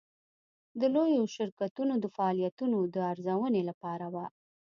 د لویو شرکتونو د فعالیتونو د ارزونې لپاره وه.